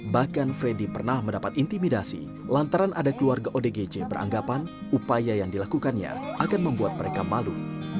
bahkan freddy pernah mendapat intimidasi lantaran ada keluarga odgj beranggapan upaya yang dilakukannya akan membuat mereka malu